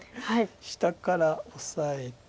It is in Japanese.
下からオサえて。